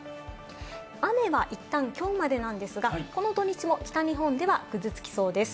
雨はいったんきょうまでなんですが、この土日も北日本ではぐずつきそうです。